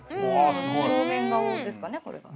正面顔ですかねこれが。